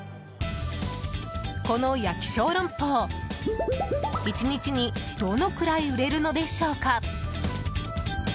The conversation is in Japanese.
この焼き小龍包、１日にどのくらい売れるのでしょうか。